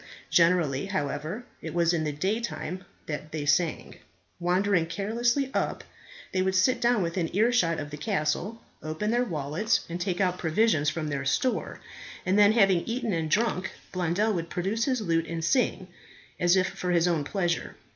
Generally, however, it was in the day time that they sang. Wandering carelessly up, they would sit down within earshot of the castle, open their wallets, and take out provisions from their store, and then, having eaten and drunk, Blondel would produce his lute and sing, as if for his own pleasure.